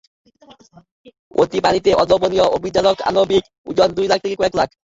এটি পানিতে অদ্রবণীয়, অবিজারক, আণবিক ওজন দুই লাখ থেকে কয়েক লাখ।